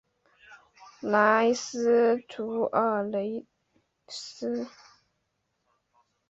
莱斯图尔雷莱。